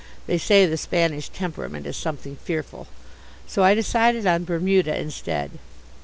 They say the Spanish temperament is something fearful. So I decided on Bermuda instead.